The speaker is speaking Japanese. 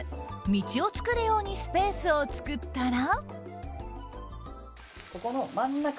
道を作るようにスペースを作ったら。